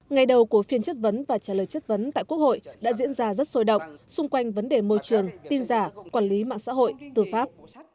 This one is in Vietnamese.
ngày đầu của phiên chất vấn và trả lời chất vấn tại quốc hội đã diễn ra rất sôi động xung quanh vấn đề môi trường tin giả quản lý mạng xã hội tư pháp